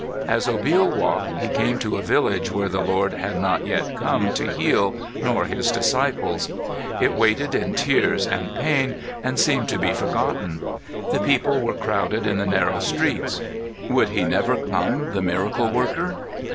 As Obil walked he came to a village where the Lord had not yet come to heal, nor his disciples. It waited in tears and pain and seemed to be forgotten. The people were crowded in the narrow streets. Would he never come, the Miracle Worker?